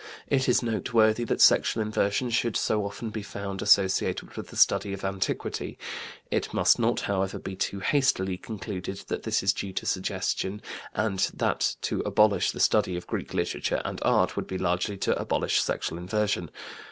It is noteworthy that sexual inversion should so often be found associated with the study of antiquity. It must not, however, be too hastily concluded that this is due to suggestion and that to abolish the study of Greek literature and art would be largely to abolish sexual inversion.